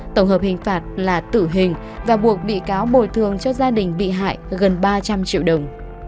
tổng hợp hình phạt là tử hình và buộc bị cáo bồi thường cho gia đình bị hại gần ba trăm linh triệu đồng